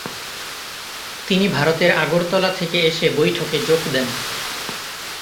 তিনি ভারতের আগরতলা থেকে এসে বৈঠকে যোগ দেন।